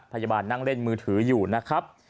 พยาบาลนั่งเล่นมือถืออยู่นะครับ